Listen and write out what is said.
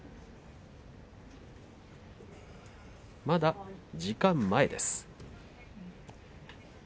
まだ時間前です。